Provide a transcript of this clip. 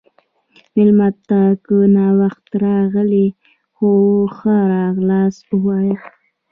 مېلمه ته که ناوخته راغلی، هم ښه راغلاست ووایه.